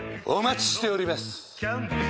お待ちしております。